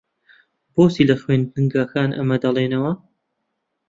بۆچی لە خوێندنگەکان ئەمە دەڵێنەوە؟